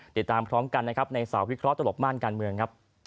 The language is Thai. เดี๋ยวตามพร้อมกันในเสาร์วิเคราะห์ตลอบมารการเมือง